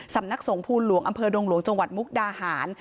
สำนักสงภูหลวงอำเภอดงหลวงจังหวัดมุกดาหาร